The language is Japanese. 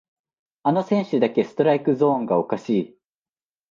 あの選手だけストライクゾーンがおかしい